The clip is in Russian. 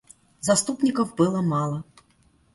Заступников было мало.